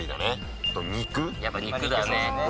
やっぱ肉だね。